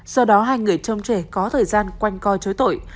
do đó hai người trông trẻ có thời gian quanh co chối tội